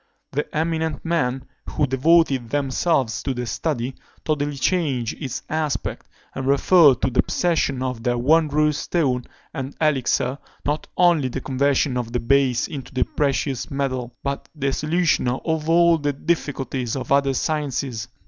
The eminent men who devoted themselves to the study totally changed its aspect, and referred to the possession of their wondrous stone and elixir, not only the conversion of the base into the precious metals, but the solution of all the difficulties of other sciences.